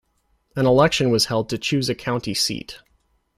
An election was held to choose a county seat.